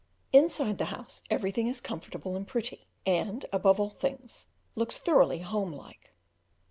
Inside the house everything is comfortable and pretty, and, above all things, looks thoroughly home like.